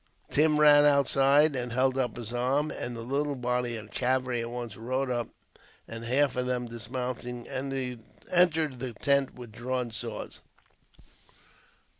Tim ran outside and held up his arm, and the little body of cavalry at once rode up; and, half of them dismounting, entered the tent with drawn swords.